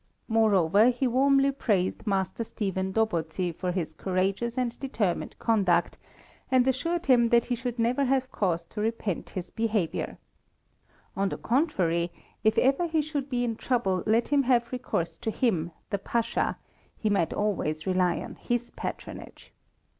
Moreover, he warmly praised Master Stephen Dobozy for his courageous and determined conduct, and assured him that he should never have cause to repent his behaviour. On the contrary, if ever he should be in trouble let him have recourse to him, the Pasha; he might always rely on his patronage.